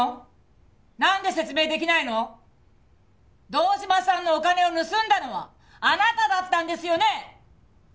堂島さんのお金を盗んだのはあなただったんですよね？